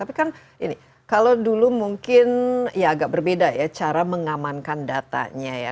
tapi kan ini kalau dulu mungkin ya agak berbeda ya cara mengamankan datanya ya